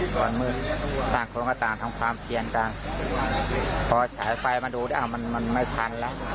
ส่วนมืดต่างคนก็ต่างทำความเสี่ยงกันพอฉายไฟมาดูอ้าวมันมันไม่ทันแล้ว